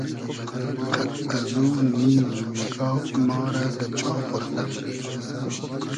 قئد ازو نیمی نیگا ما رۂ دۂ چا پۉرتۂ مونی